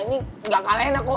ini gak kalah enak kok